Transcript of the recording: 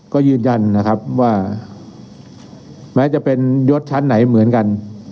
ก็ยืนยันนะครับว่าแม้จะเป็นยศชั้นไหนเหมือนกัน